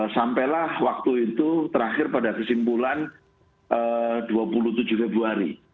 sampailah waktu itu terakhir pada kesimpulan dua puluh tujuh februari